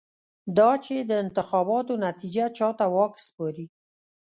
دا چې د انتخاباتو نتېجه چا ته واک سپاري.